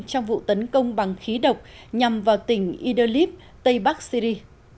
trong vụ tấn công bằng khí độc nhằm vào tỉnh idoliv tây bắc syri